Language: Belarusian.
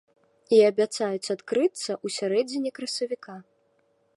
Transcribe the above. І абяцаюць адкрыцца ў сярэдзіне красавіка.